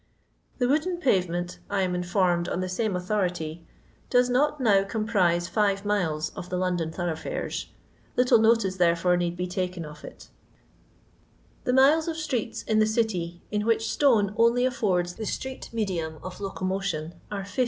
The wooden payement, I am informed on the same authority, does not now comprise five miles of the London tliorough&ras; little notice, there fore, need be taken of it The miles of streets in the City in which stone only affords the street medium i locomotion are 50.